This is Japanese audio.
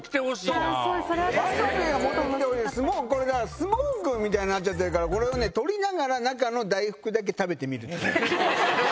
スモークみたいになっちゃってるからこれを取りながら中の大福だけ食べてみる。